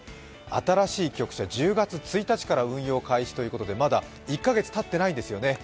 新しい局舎、１０月１日から運用開始ということで、まだ１か月たっていないんですよね